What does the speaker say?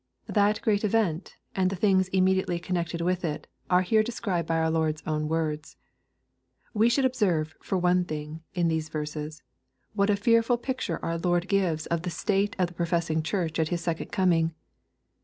That great event, and the things immediately connected with it, are here described by our Lord's own lips. We should observe, for one thing, in these verses, lohdt a fearful picture our Lord gives of the state of the pro^ fessing Church at His second coming.